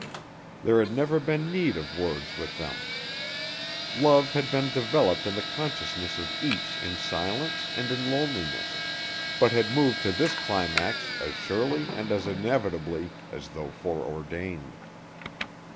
There had never been need of words with them. Love had been developed in the consciousness of each in silence and in loneliness, but had moved to this climax as surely and as inevitably as though foreordained.